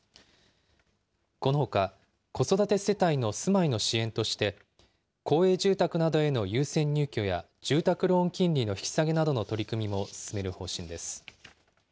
このほか、子育て世帯の住まいの支援として、公営住宅などへの優先入居や住宅ローン金利の引き下げなどの取り組みも進める方針です。